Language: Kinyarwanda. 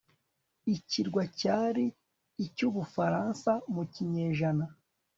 iki kirwa cyari icy'ubufaransa mu kinyejana